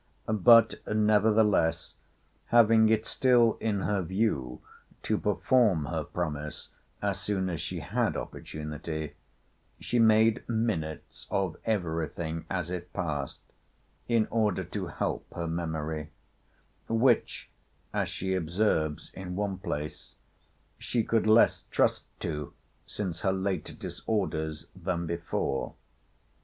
But, nevertheless, having it still in her view to perform her promise as soon as she had opportunity, she made minutes of every thing as it passed, in order to help her memory:—'Which,' as she observes in one place, 'she could less trust to since her late disorders than before.